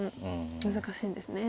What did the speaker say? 難しいんですね。